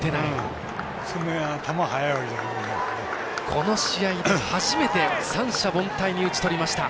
この試合、初めて三者凡退に打ち取りました。